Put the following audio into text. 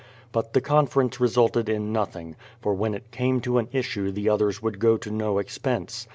But the conference resulted in nothing, for when it came to an issue the others would go to no ex pense.